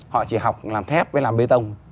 họ chỉ học làm thép với làm bê tông